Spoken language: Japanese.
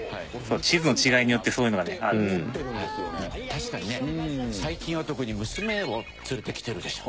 確かにね最近は特に娘を連れてきてるでしょ。